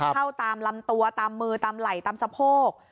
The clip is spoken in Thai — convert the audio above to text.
เข้าตามลำตัวตามมือตามไหล่ตามสะโพก